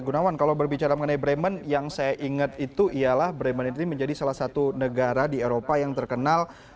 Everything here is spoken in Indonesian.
gunawan kalau berbicara mengenai bremen yang saya ingat itu ialah bremen ini menjadi salah satu negara di eropa yang terkenal